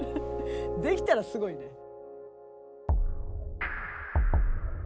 できたらすごいね。